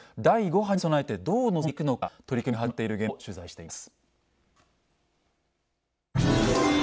第５波に備えてどう臨んでいくのか取り組みが始まっている現場を取材しています。